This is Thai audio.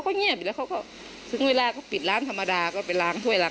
จนใดเจ้าของร้านเบียร์ยิงใส่หลายนัดเลยค่ะ